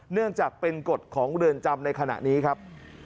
เนื่องจากเป็นกฎของเรือนจำในขณะนี้ครับ